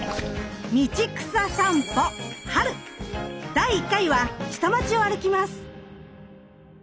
第１回は下町を歩きます。